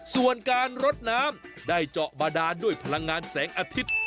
ส่วนการรดน้ำได้เจาะบาดานด้วยพลังงานแสงอาทิตย์